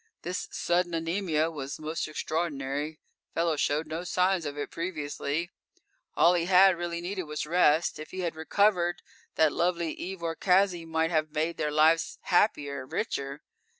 This sudden anemia was most extraordinary; fellow showed no signs of it previously. All he had really needed was rest. If he had recovered, that lovely Eve Orcaczy might have made both their lives happier, richer.